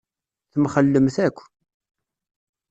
Temxellemt akk.